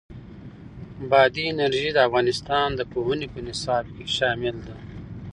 بادي انرژي د افغانستان د پوهنې په نصاب کې شامل ده.